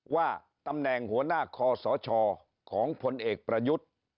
ว่าตำแหน่งหัวหน้าคอสชของพลเอกประยุทธ์